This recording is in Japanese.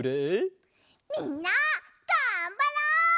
みんながんばろう！